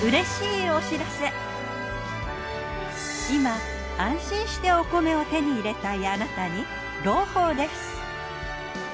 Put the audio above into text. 今安心してお米を手に入れたいあなたに朗報です。